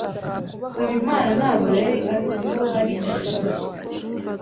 Nsabimana ntabwo yari azi ko hari ikibazo.